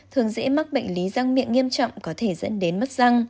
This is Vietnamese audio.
thường dễ mắc bệnh lý răng miệng nghiêm trọng có thể dẫn đến mất răng